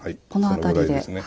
この辺りで。